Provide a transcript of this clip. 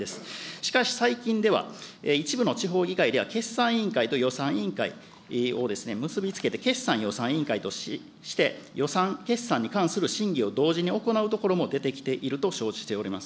しかし最近では、一部の地方議会では、決算委員会と予算委員会を結び付けて決算予算委員会として、予算決算に関する審議を同時に行うところも出てきていると承知しております。